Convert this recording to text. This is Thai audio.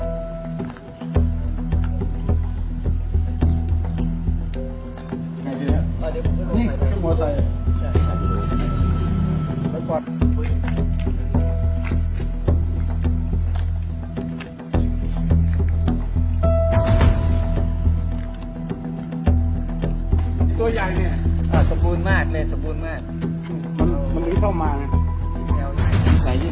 มันมันไม่เข้ามาเลย